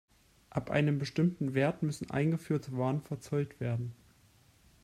Ab einem bestimmten Wert müssen eingeführte Waren verzollt werden.